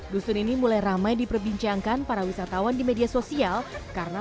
dusun ini mulai ramai diperbincangkan para wisatawan di media sosial karena